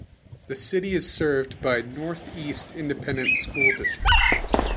The city is served by North East Independent School District.